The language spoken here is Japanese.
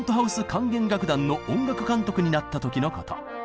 管弦楽団の音楽監督になった時のこと。